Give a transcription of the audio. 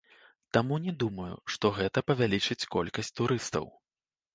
Таму не думаю, што гэта павялічыць колькасць турыстаў.